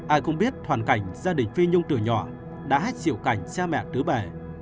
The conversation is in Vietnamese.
ai cũng biết hoàn cảnh gia đình phi nhung từ nhỏ đã hết chịu cảnh cha mẹ tứ bể